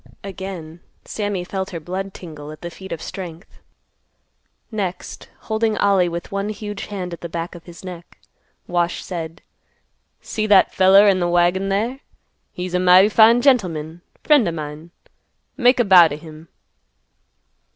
Again Sammy felt her blood tingle at the feat of strength. Next holding Ollie with one huge hand at the back of his neck, Wash said, "See that feller in th' wagon there? He's a mighty fine gentleman; friend o' mine. Make a bow t' him."